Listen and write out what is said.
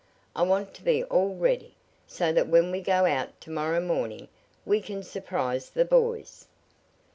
I want to be all ready, so that when we go out to morrow morning we can surprise the boys."